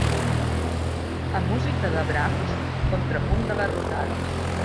A música de brams, contrapunt de garrotades.